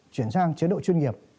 chuyển sang chế độ chuyên nghiệp